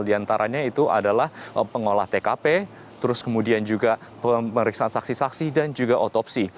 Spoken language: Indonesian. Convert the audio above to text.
di antaranya itu adalah pengolah tkp terus kemudian juga pemeriksaan saksi saksi dan juga otopsi